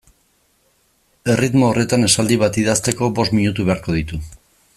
Erritmo horretan esaldi bat idazteko bost minutu beharko ditu.